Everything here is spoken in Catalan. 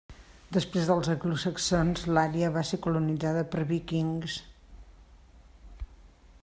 Després dels anglosaxons l'àrea va ser colonitzada per vikings.